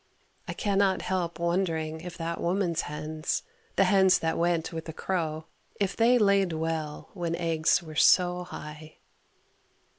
I cannot help wondering if that woman's hens the hens that went with the crow if they laid well when eggs were so high.